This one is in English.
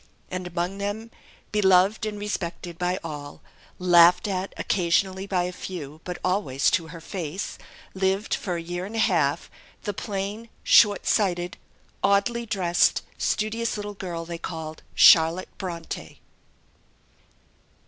And among them, beloved and respected by all, laughed at occasionally by a few, but always to her face lived, for a year and a half, the plain, short sighted, oddly dressed, studious little girl they called Charlotte Bronte.